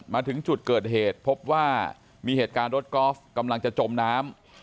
มาถึงจุดเกิดเหตุพบว่ามีเหตุการณ์รถกอล์ฟกำลังจะจมน้ำ